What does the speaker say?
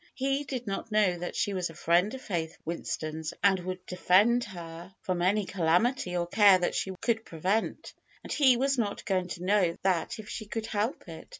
He did not know that she was a friend of Faith Winston's, and would defend her from 256 FAITH any calamity or care that she could prevent. And he was not going to know that if she could help it.